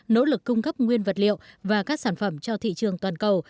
nỗ lực cung cấp nguyên vật liệu và các sản phẩm cho thị trường toàn cầu